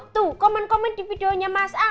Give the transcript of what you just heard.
tuh komen komen di videonya mas a